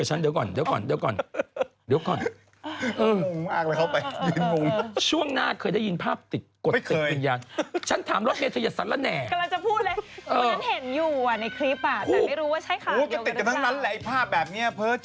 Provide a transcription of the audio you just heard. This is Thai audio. เหมือนไม่ยืนอยู่ข้างหน้าแล้วแบบขับคำสั่งเสร็จแล้วหายไป